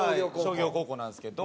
商業高校なんですけど。